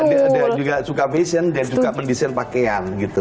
dia juga suka fashion dan juga mendesain pakaian gitu